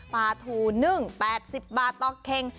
ปูนึ่ง๘๐บาทต่อเค็ง